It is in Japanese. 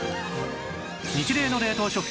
ニチレイの冷凍食品